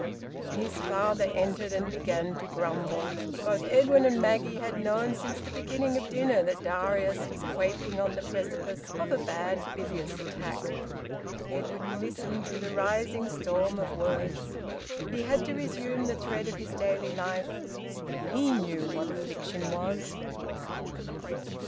His father entered, and began to grumble. Both Edwin and Maggie had known since the beginning of dinner that Darius was quaking on the precipice of a bad bilious attack. Edwin listened to the rising storm of words. He had to resume the thread of his daily life. He knew what affliction was.